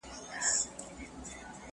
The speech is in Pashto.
لېونی نه یمه هوښیار یمه رقیب پیژنم!